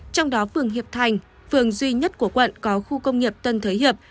trong đó phường hiệp thành phường duy nhất của quận có khu công nghiệp tân thới hiệp